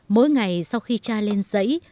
mỗi ngày sau khi cha lên giấy